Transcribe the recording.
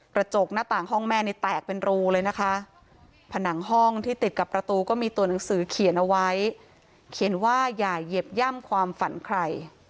กระจกหน้าต่างห้องแม่นี่แตกเป็นรูเลยนะคะผนังห้องที่ติดกับประตูก็มีตัวหนังสือเขียนเอาไว้เขียนว่าอย่าเหยียบย่ำความฝันใคร